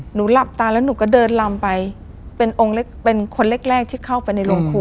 หลับตาแล้วหนูก็เดินลำไปเป็นองค์เล็กเป็นคนแรกแรกที่เข้าไปในโรงครู